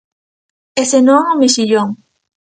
E senón, o mexillón.